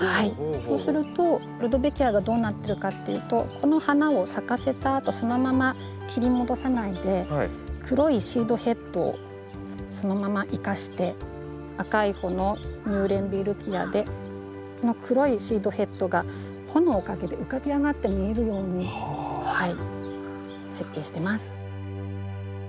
そうするとルドベキアがどうなってるかっていうとこの花を咲かせたあとそのまま切り戻さないで黒いシードヘッドをそのまま生かして赤い穂のミューレンベルギアでこの黒いシードヘッドが穂のおかげで浮かび上がって見えるように設計してます。